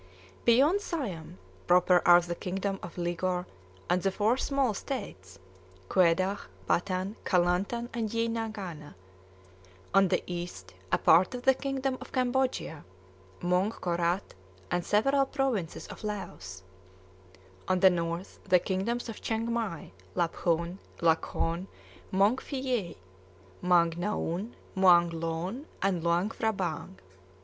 Beyond Siam proper are the kingdom of Ligor and the four small states, Quedah, Patan, Calantan, and Yeingana; on the east a part of the kingdom of Cambodia, Muang Korat, and several provinces of Laos; on the north the kingdoms of Chiengmai, Laphun, Lakhon, Muang Phiëé, Muang Naun, Muang Loan, and Luang Phrabang.